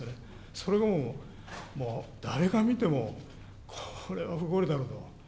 それがもう、誰が見てもこれは不合理だろうと。